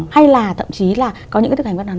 hay là tậm chí là có những cái thực hành